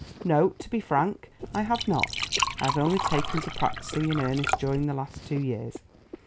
No, to be frank, I have not. I have only taken to practising in earnest during the last two years.